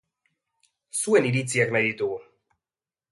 Zuen iritziak nahi ditugu.